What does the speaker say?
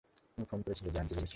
তুমি ফোন করেছিলে যে আন্টি বলেছে।